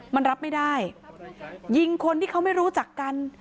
มันรับไม่ได้ยิงคนที่เขาไม่รู้จักกัน